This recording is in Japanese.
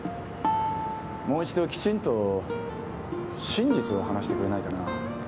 もう一度きちんと真実を話してくれないかな。